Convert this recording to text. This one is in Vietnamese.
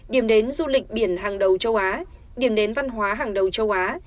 điểm đến du lịch biển hàng đầu châu á điểm đến văn hóa hàng đầu châu á